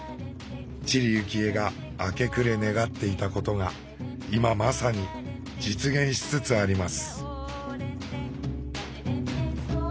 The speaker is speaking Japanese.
知里幸恵が明け暮れ願っていたことが今まさに実現しつつあります。